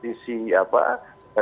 di si apa